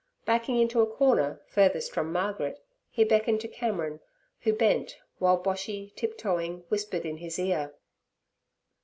Backing into a corner furthest from Margaret, he beckoned to Cameron, who bent, while Boshy, tiptoeing, whispered in his ear.